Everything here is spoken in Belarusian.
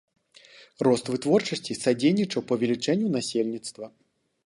Рост вытворчасці садзейнічаў павелічэнню насельніцтва.